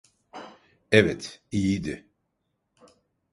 Evet, iyiydi.